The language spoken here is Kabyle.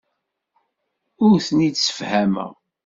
Ur ten-id-ssefhameɣ.